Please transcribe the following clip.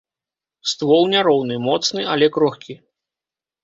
Ствол няроўны, моцны, але крохкі.